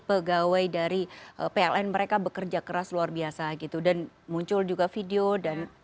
pegawai dari pln mereka bekerja keras luar biasa gitu dan muncul juga video dan